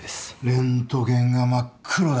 レントゲンが真っ黒だ。